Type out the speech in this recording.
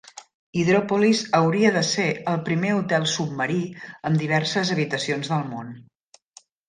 Hydropolis hauria de ser el primer hotel submarí amb diverses habitacions del món.